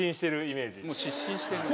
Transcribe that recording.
もう失神してるんだ。